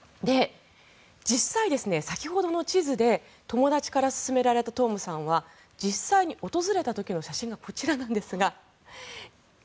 実際、先ほどの地図で友達から勧められたトーマスさんは実際に訪れた時の写真がこちらですが。